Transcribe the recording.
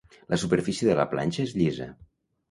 La superfície de la planxa és llisa.